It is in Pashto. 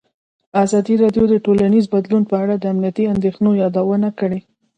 ازادي راډیو د ټولنیز بدلون په اړه د امنیتي اندېښنو یادونه کړې.